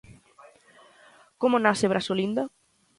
Como nace Brazolinda?